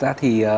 thật ra thì